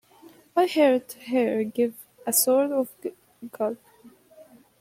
I heard her give a sort of gulp.